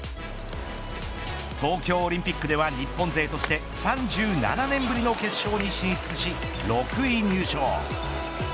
東京オリンピックでは日本勢として３７年ぶりの決勝に進出し６位入賞。